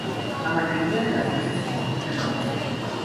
La mayoría de las veces se disputa en agosto.